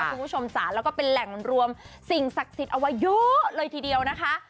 คุณผู้ชมจ๋าแล้วก็เป็นแหล่งรวมสิ่งศักดิ์สิทธิ์เอาไว้เยอะเลยทีเดียวนะคะ